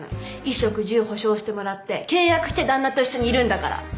衣食住保証してもらって契約して旦那と一緒にいるんだから。